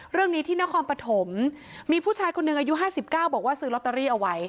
เรื่องนี้ที่นครปฐมมีผู้ชายคนหนึ่งอายุ๕๙บอกว่าซื้อลอตเตอรี่เอาไว้